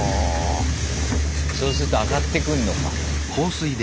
そうすると上がってくんのか。